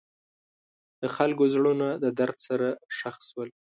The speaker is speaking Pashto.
د خلکو زړونه د درد سره ښخ شول.